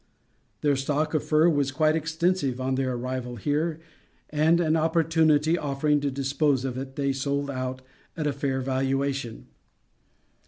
Their stock of fur was quite extensive on their arrival here and, an opportunity offering to dispose of it, they sold out at a fair valuation.